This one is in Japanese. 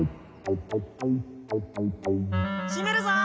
閉めるぞ！